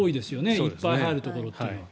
いっぱい入るところというのは。